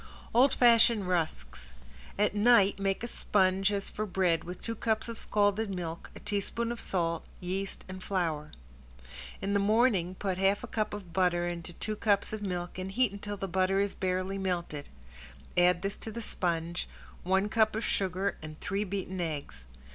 ~OLD FASHION RUSKS~ At night make a sponge as for bread with two cups of scalded milk, a teaspoon of salt, yeast and flour. In the morning put half a cup of butter into two cups of milk and heat until the butter is barely melted, add this to the sponge, one cup of sugar and three beaten eggs.